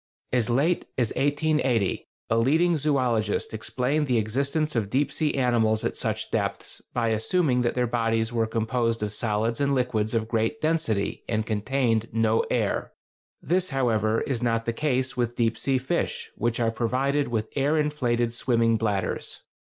As late as 1880 a leading zoölogist explained the existence of deep sea animals at such depths by assuming that their bodies were composed of solids and liquids of great density, and contained no air. This, however, is not the case with deep sea fish, which are provided with air inflated swimming bladders.